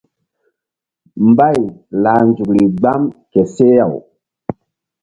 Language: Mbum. Mbay lah nzukri gbam ke seh-aw.